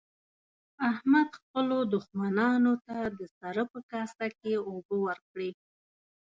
احمد خپلو دوښمنانو ته د سره په کاسه کې اوبه ورکړې.